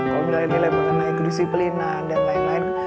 kalau nilai nilai buatan naik disiplin dan lain lain